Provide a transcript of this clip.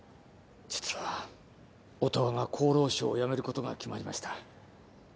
実は音羽が厚労省を辞めることが決まりました